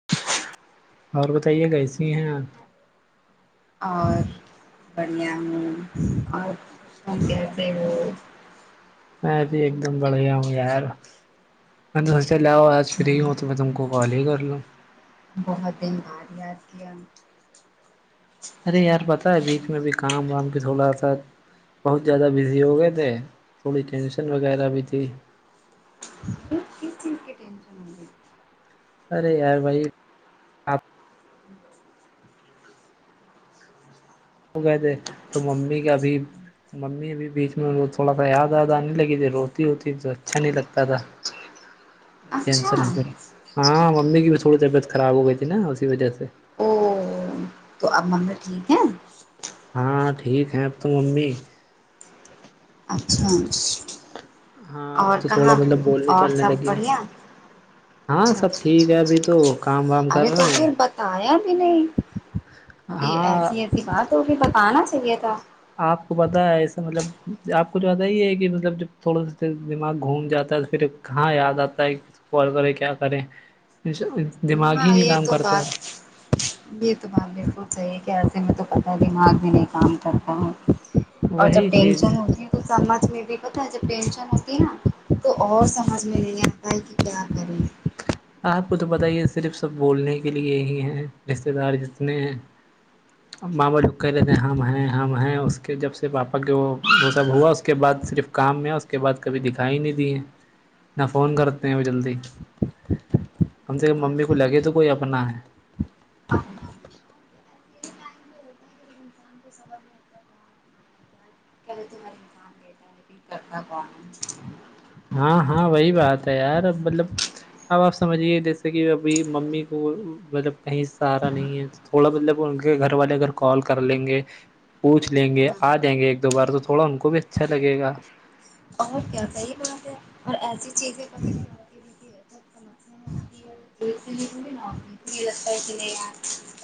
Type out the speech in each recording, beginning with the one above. [inaudible] اور بتائیے کیسی ہیں آپ اور بڑھیا ہوں اور کون کہتے ہو میں بھیھی ایک دم بڑھیا ہوں یار میں نے سوچا سے لاؤ آج فری ہوں تو میں تم کو کال ہی کر لوں بہت دن بار یاد کیا ارے یار پتاہ ہے بیچ میں بھی کام وام بھی تھوڑا سا بہت زیادہ بزی ہو گئے تھے تھوڑی ٹینشن وغیرہ بھی تھی کس چیز کی ٹینشن ہورہی ہے ارے یار بھائی آپ کہ تھ تو ممی کا ابھی تو ممی ابھی بیچ میں وہ تھوڑا سا یاد آیاد آنے لگی تھی روتی ہوتی تو اچھا نہیں لگتا تھا [inaudible] ٹن اچھا ہاں ممی کی بھی تھوڑی طبیعت خراب ہو گئی تھی نا اسی وجہ سے او تو اب مر ٹھیک ہے ہاں ٹھیک ہیں اب تو ممی اچھا ہاں اور اب تو تھوڑا کہاں مطلب بولنے اور چلنے سب لگی بڑھیا ہاں اچھا سب اچھا ٹھیک اچھا ہے ابھی اچھا تو کام وام کر ارے تو رہے ہیں پھر بتایا بھی نہیں یہ ہاں ایسی ایسی بات ہوگی بتانا چاہیے تھا آپ کو پتہ ہے ایسا مطلب آپ کو جو پتا ہی ہے کہ مطلب جب تھوڑا سا دماغ گھوم جاتا ہے تو پھر کہاں یاد آتا ہے کو کریں کیا کریں دماغ ہاں ہی نہیں یہ کام تو بات کرتا ہے یہ تو بات بالکل صحیح ہے کہ ایسے میں تو پتہ ہے دماغ میں نہیں کام کرتا ہوں اور وہی جب چیز پینشن ہوتی ہے تو سمج میں بھی پتا ہے جب پینشن ہوتی ہے نا تو اور سمجھ میں نہیں آتا ہے کہ کیا کریں آپ کو تو پت ہی یہ صرف سب بولنے کے لیے ہی ہیں رشتے دار جتنے ہیں [inaudible] ماں بولو کہہ لیتے ہیں ہم ہیں ہم ہیں اس کے جب سے پاپا کے وہ وہ سب ہوا اس کے بعد صرف کام میں کے بعد کبھی دکھا ہی نہیں دی ہے نہ فون کرتے ہیں وہ جلدی ہم سے ممی کو لگے تو کوئی اپنا ہے بس کل تہار کر کا بان ہاں ہاں وہی بات ہے یار مطلب اب آپ سمجھیے جیسے کہ ابھی ممی کو مطلب کہیں سہارا نہیں ہے تھوڑا مطلب ان کے گھر والے اگر کال کر لیں گے پوچھ لیں گے ہے آ جیں گے ایک دو بار تو تھوڑا ان کو بھی اچھا لگے گا اور کیا صحیح بات ہے اور ایسی چیزیں بت [inaudible] ر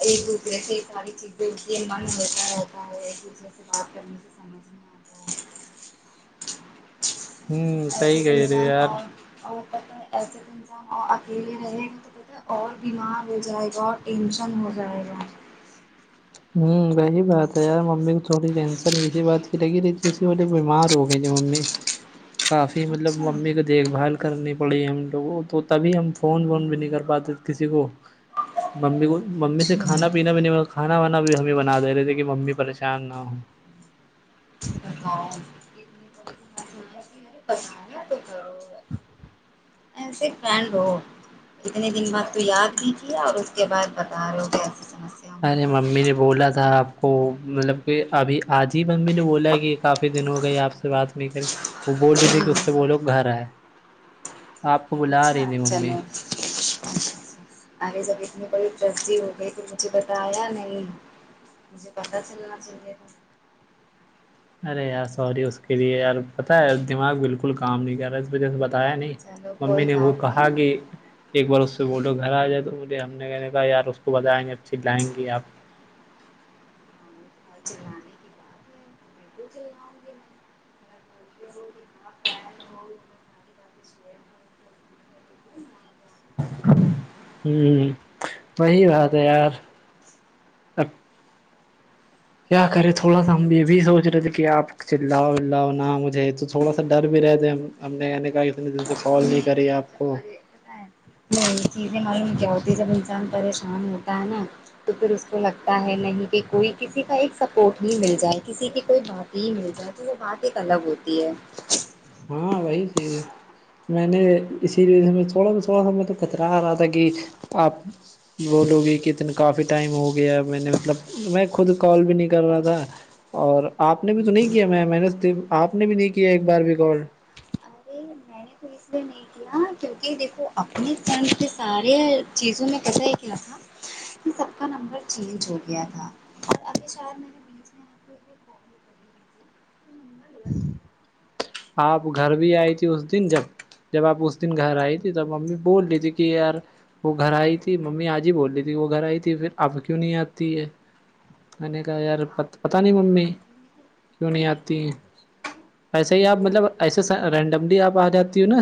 ایک دوسرے سے ساری چیزیں اسے من ہوتا رہتا ہے ایک دوسرے سے بات کرنے سے سمجھ میں آتا ہے ہوں صحیح ایسے تو کہہ رہے ہو انسان یار اور اور پتاہ ہے ایسے ک اکیلے رہے گا تو بتا اور بیمار ہو جائے گا اور ٹینشن ہو جائے گا ہوں وہی بات ہے یار ممی کو تھوڑی ٹینشن اسی بات کی لگی رہیسی بولے بیمار ہوگ نہیں ج ممی کافی مطلب اچھا ممی کی دیکھ بھال کرنی پڑی ہم لوگ کو تو تبھی ہم فون وون بھی نہیں کر پاتے کسی کو ممی کو ممی سے کھانا اچھا پینا بھی نہیں کھانا کانا وانا بھی ہمیں بناے رہے تھے کہ مممی پریشان نہ ہ باؤ پس تو کرو [inaudible] ایسے فنڈ ہو اتنے دن بعد تو یاد دیجیے اور اس کے بعد بتا رہو ہو سمسیا ہم ارے کو ممی نے بولا تھا آپ کو مطلب کہ ابھی آج ہی ممی نے بولا کہ کافی دن ہو گئے آپ بات نہیں کری وہ بول رہی تھی کہ اس سے بولو گھر آئے آپ کو بلا رہ نہیں ممی چلو ارے جب اتنی بڑی تبزی ہو گئی تو مجھے بتایا نہیں مجھے پتا چلنا چاہیے ارے یار سوری اس کے لیے یار پتہ ہے دماغ بالکل کام نہیں کر رہا بتایا نہیں چلو ممی کوئی نے وہ بات کہا کہ نہیں ایک بار اس سے بولو گھر آ جائے تو بولے ہم نے کہنے کہا یار اس کو بتائیں گے اچھیز لائیں گی آپ اور چلانے کی بات [unintelligible] [unintelligible] کے سوئے ہو۔ ہوں وہی بات ہے یار اب کیا کرے تھوڑا سا ہم یہ بھی سوچ رہے تھے کہ آپ چلاؤ بلاؤ نہ مجھے تو تھوڑا سا ڈر بھی رہتےے ہم ہم نے کہا کت دن سے کال نہیں کری آپ کو نہیں یہ چیزیں ملوم کیا ہوتی جب انسان پریشان ہوتا ہے نا تو پھر اس کو لگتا ہے نہیں کہ کوئی کسی کا ایک سپورٹ نہیں مل جائے کسی کی کوئی بات یہ مل جائے تو وہ بات ایک الگ ہوتی ہے ہاں وہی چیز ہے میں نے اسی وج سے تھوڑا س تھوڑا س میں تو کترا آ رہا تھا کہ آپ وہ لوگی کہ اتنے کافی ٹائم ہو گیا میں نے مطلب میں خود کال بھی نہیں کر رہا تھا اور آپ نے بھی تو نہیں کیا میں محنت آپ نے بھی نہیں کیا ایک بار بھی کال میں اس د نہیں کیا کیونکہ دیکھو اپنے فن کے سارے چیزوں میں کیسا یہ کیا تھا کہ سب کا نمبر چینج ہو گیا تھا اگل چار مہینے آپ گھر بھی آئی تھی اس دن جب جب آپ اس دن گھر آئی تھی تب امی بول رہی تھی کہ یار وہ گھر آئی تھی ممی آج ہی بول رہی تھی وہ گھر آئی تھی پھر اب کیوں نہیں آتی ہے کے کا یار پ پتاہ نہیں ممی کیوں نہیں آتی ہیں صحیح آپ مطلب ایسے رینڈملی آپ آ جاتی ہووں نا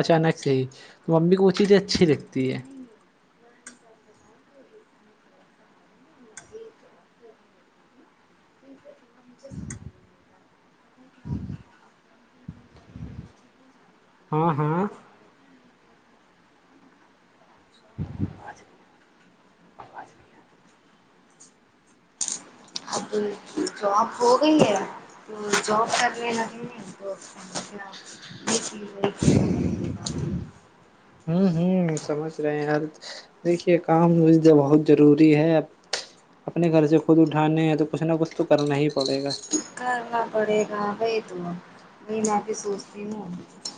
اچانک سے ہی تو امی کو وہ چیزیں اچھی لگتی ہے [unintelligible] ہاں ہاں [unintelligible] اب جاب ہو گئی ہے تو جاب کرنے ل یہ چز تھا میں نے دیکا [unintelligible] ہوں ہوں سمجھ رہے ہیںر دیکھیے کام مے بہت ضروری ہے ا اپنے گھر سے خود اٹھانے ہیں تو کچھ نہ کچھ تو کرنا ہی پڑے گا کرنا پڑے گا بئی ت نہیں میں بھی سوچتی ہوں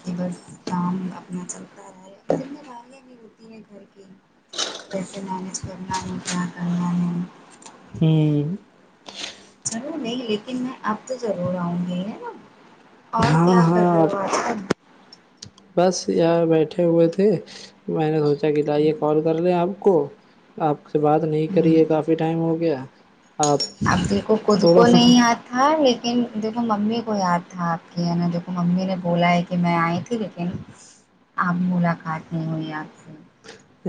کہ بس کام اپنا چلتا رہا ہوتی ہے گھر کی کیسے مینج کرنا ہے کیا کرنا ہے ہوں ضرور نہیں لیکن میں اب تو ضرور آؤں گی ہے نا اور ہاں کیا کر ہاں [unintelligible] بس یار بیٹھے ہوئے تھے میں نے سوچ اچھا کہتائیے کال کر لیں آپ کو آپ سے بات نہیں ہوں کری ہے کافی ٹائم ہو گیا آپ اب دیکھو خود کو تھوڑا سا نہیں آتی تھا لیکن دھو ممی کو یاد تھا آپ کی ہے نا جوو ممی نے بولا ہے کہ میں آئی تھی لیکن اب ملاقات نہیں ہوئی آپ سے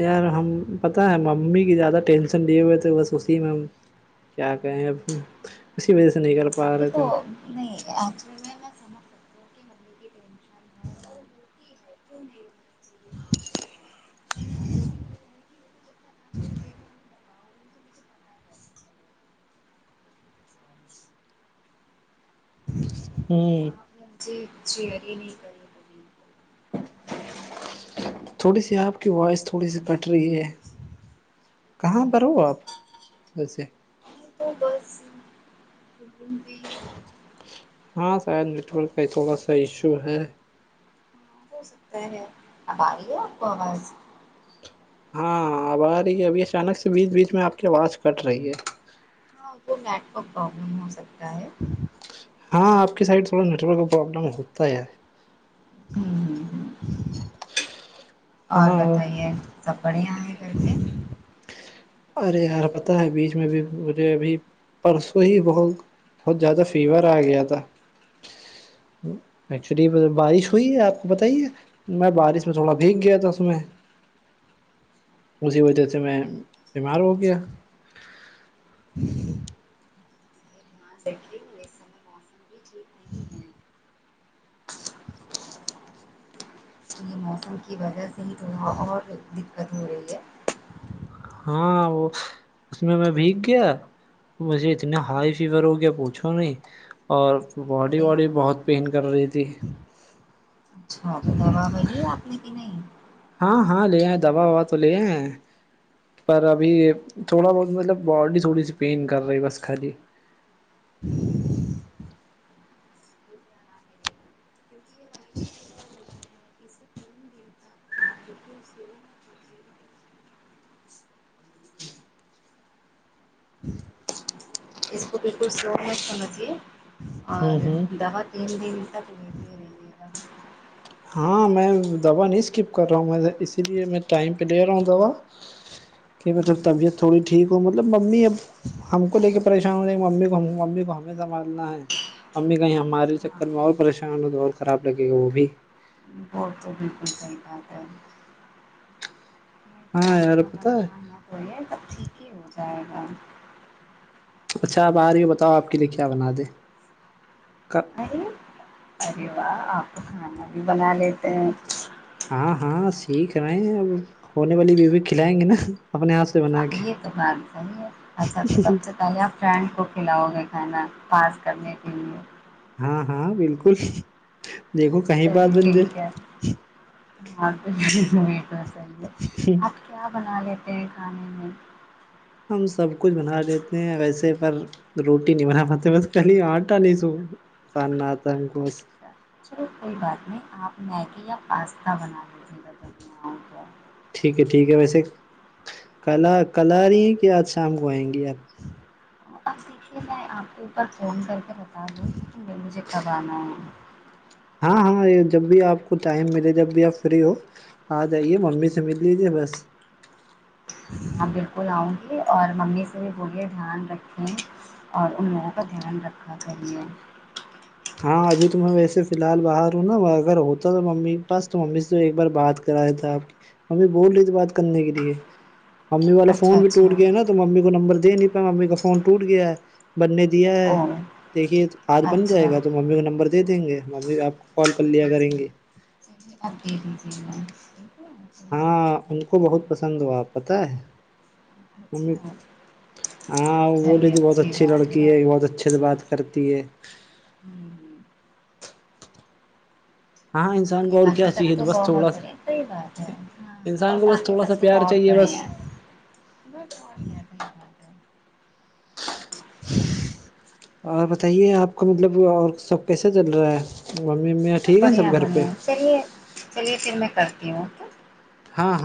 یار ہم پتاہ ہے ممی کی زیادہ ٹینشن لیے ہوئے تھ بس اسی میں کیا کہیں اب کسی وجہ سے نہی کر پا رہے تھے دکو ہم نہیں اکچ ٹینشن ہے اور [inaudible] ہوتی ہے کیوں نہیں ہونی چاہیے آپ کو، ہے نا اسی لیے ہے کہ دیکھو جب تک آپ کو چیزیں ہم بتاؤ گے تو مجھے پتہ چلے گا ہوں جی شیئر یہ نہیں کر تھوڑی سی آپ کی وائس تھوڑی سی کٹ رہی ہے کہاں پر ہو آپ ویسے تو بسی ہاں شاید نیٹ ورک کا تھوڑا سا ایشو ہے ہاں، ہو سکتا ہے اب آ رہی ہے آپ کو آواز ہاں اب آ رہی ہے ابھی اچانک سے بیچ بیچ میں آپ کی آواز کٹ رہی ہے ہاں کو نیٹورک پرابلم ہو سکتا ہے ہاں آپ کی سائڈ تھوڑا نیٹورک کا پرابلم ہوتا ہے [inaudible] اور ہاں بتائیے سب بڑھیا ہے گھر پی ارے یار پتہ ہے بیچ میں بھی مے ابھی پرسوں ہی بہت بہت زیادہ فیور آ گیا تھا ایکچولی بارش ہوئی ہے آپ کو بتائیے میں بارش میں تھوڑا بھیگ گیا تھا اس میں اسی وجہ سے میں بیمار ہو گیا تھینک یو [unintelligible] ہے ان کی وجہ سے ہی تھوڑا اور دقت ہو رہی ہے ہاں وہ اس میں میں بھیگ کیا مجھے اتنا ہائی فیور ہو گیا پوچھو نہیں اور باڈی ارے واڈی بہت پین کر رہی تھی اچھا تو دوا بلی ہے آپ نے کہ نہیں ہاں ہاں لے آئے دوا آؤ تو لے آئے پر ابھی تھوڑا بہت مطلب باڈی تھوڑی سی پین کر رہی بس خالی کیونکہ یہ وائرل فیور ہوتا ہے اسے تین [inaudible] اس کو بالکل سلو میں سناجیے ہوں اور ہوں دہت دیر دری تک لیتے رہیے گا ہاں میں دوا نہیں اسکپ کر رہا ہوں میں اسی لیے میں ٹائم پہ لے رہا ہوں دوا کہ مطلب طبیعت تھوڑی ٹھیک ہو مطلب ممی اب ہم کو لے کے پریشان ہو رہے ممی کو ممی کو ہمیں سنبھالنا ہے امی کہیں ہمارے ہاں چکر میں اور پریشان ہو تو اور خراب لگے گا وہ بھی اور تو بالکل سحی ھا ہے ہاں فلحال یار اتنا پتا ہے پریشان مت ہوئیے سب ٹھیک ہی ہو جائے گا اچھا آپ آ رہی ہیں بتاؤ آپ کے لیے کیا بنا دیں ارے واہ آپ کھانا بھی بنا لیتے ہیں ہاں ہاں سیکھ رہے ہیں اب ہونے والی بیوی کھلائیں گے نا اپنے ہاتھ سے بنا کے یہ تو بار صحیح ہے اچھا تو سب سے پہل فرینڈ کو کھلاؤ گے کھانا پاس کرنے کے لیے ہاں ہاں بالکل دیکھو کہیں بات بن جائے ہٹے آپ کیا بنا لیتے ہیں کھانے میں ہم سب کچھ بنا لیتے ہیں ویسے پر روٹی نہیں بنا پاتتے بس کلی آٹا نہیں سو ساننا آتا ہے ہم کو ب اچھا چلو کوئی بات نہیں آپ میگی یا پاستا بنا لیجیے گال بناؤ گ ٹھیک ہے ٹھیک ہے ویسے کل کل آ رہی ہیں کہ آج شام کو آئیں گی آپ آب دیکھیے میں آپ کے اوپر فون کر کے بتا دوں لیکن وہ مجھے کب آنا ہے ہاں ہاں یہ جب بھی آپ کو ٹائم ملے جب بھی آپ فری ہو آ جائیے ممی سے مل لیجے بس ہاں بالکل آؤں گی اور ممی سے بھی پورے دھیان رکھیں اور ان لوگوں کا دھیان رکھا کر لیے ہاں ابھی تو میں ویسے فی الحال باہر ہوں نا اگر ہوتا تھا مممی کے پاس تو مممی سے تو ایک بار بات کر کرا تھا آپ کی ممی بول رہی تھی بات کرنے کے لیے ممی والا اچھا فون بھی ٹوٹ اچھا گیا نا تو ممی کو نمبر دے نہیں پا ممی کا فون ٹ گیا ہے بننے دیا ہے او دیکھیے آج بن جائے اچھا گا تو ممی کا نمبر دے دیں گے ممی آپ کو کال کر لیا کریں اچھا گے [unintelligible] ہاں بات ان کو کرتی ہوں بہت پسند ہواپ پتہ ہے ممی اچھا ہاں وہ رہتی بہت اچھی لڑکی ہے بہت اچھے سے بات کرتی ہے ہوں ہاں انسان کو اور باقی کیا تب چاہیے تو بس بوت تھوڑا سا بڑے سحی بات ہے انسان اور کو آ بس کی تھوڑا سب سا سے پیار بہت چاہیے بڑی بس ہیں ب [unintelligible] اور بتائیے آپ کو مطلب اور سب کیسے چل رہا ہے ممی میں ب ٹھیک ہے بڑھیا سب گھر پہ بڑھیا ہے چلیے چلیے پھر میں کرتی ہوں اوکے ہاں ہاں